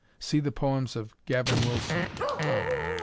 See the poems of Gavin Wilson.